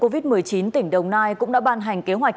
địa chỉ tiểu khu năm phường hải hòa